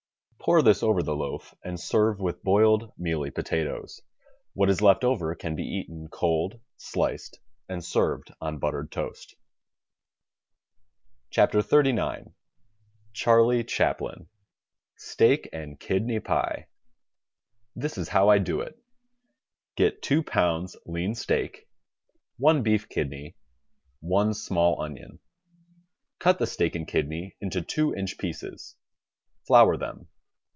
Pour this over the loaf and serve with boiled mealy potatoes. What is left over can be eaten cold, sliced and served on buttered, toast. THE STAG COOK BOOK XXXIX Charlie Chaplin STEAK AND KIDNEY PIE This is how I do it: Get 2 pounds lean steak I beef kidney I small onion. Cut the steak and kidney into two inch pieces. Flour them.